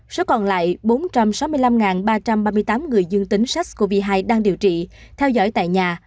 số còn lại bốn trăm sáu mươi năm ba trăm ba mươi tám người dương tính sars cov hai đang điều trị theo dõi tại nhà